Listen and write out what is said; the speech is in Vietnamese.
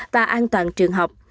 và an toàn trường học